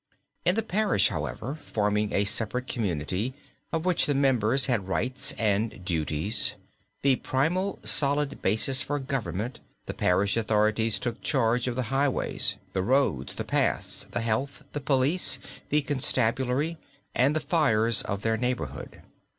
In the parish, however, forming a separate community, of which the members had rights and duties, the primal solid basis for government, the parish authorities took charge of the highways, the roads, the paths, the health, the police, the constabulary, and the fires of their neighborhood.